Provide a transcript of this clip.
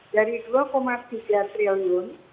jadi dari dua tiga triliun